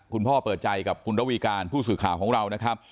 พ่อเปิดใจกับคุณระวีการผู้สื่อข่าวของเรานะครับ